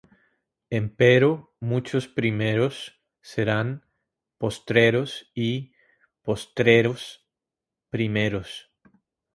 Empero muchos primeros serán postreros, y postreros primeros.